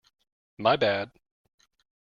My bad!